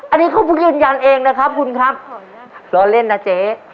อันนี้เขายืนยันเองนะครับคุณครับล้อเล่นนะเจ๊